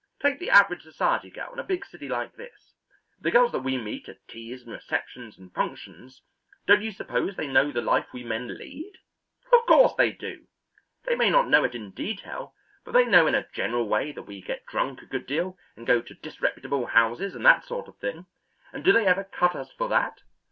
Take the average society girl in a big city like this. The girls that we meet at teas and receptions and functions don't you suppose they know the life we men lead? Of course they do. They may not know it in detail, but they know in a general way that we get drunk a good deal and go to disreputable houses and that sort of thing, and do they ever cut us for that?